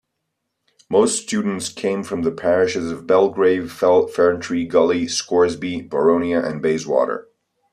Most students came from the parishes of Belgrave, Ferntree Gully, Scoresby, Boronia, and Bayswater.